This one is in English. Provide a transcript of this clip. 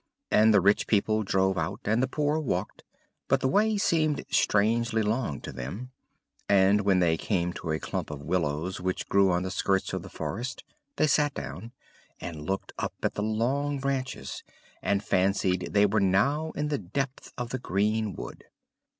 And the rich people drove out, and the poor walked, but the way seemed strangely long to them; and when they came to a clump of willows which grew on the skirts of the forest, they sat down, and looked up at the long branches, and fancied they were now in the depth of the green wood.